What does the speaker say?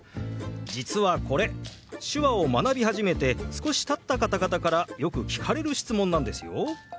実はこれ手話を学び始めて少したった方々からよく聞かれる質問なんですよ。